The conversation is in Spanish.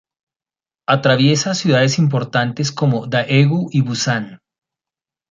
Atraviesa ciudades importantes como Daegu y Busán.